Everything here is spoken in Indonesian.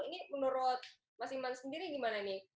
ini menurut mas iman sendiri gimana nih